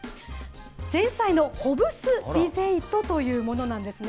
前菜のホブスビゼイトというものなんですね。